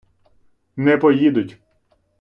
не поїдуть.